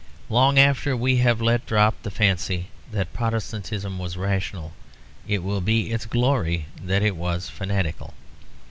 Long after we have let drop the fancy that Protestantism was rational it will be its glory that it was fanatical.